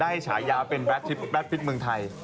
ได้ฉายาวเป็นแบตฟิตเมืองไทย